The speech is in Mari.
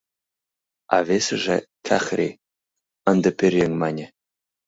— А весыже Кӓхри, — ынде пӧръеҥ мане.